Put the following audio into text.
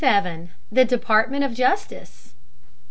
THE DEPARTMENT OF JUSTICE.